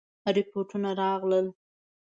رپوټونه راغلل.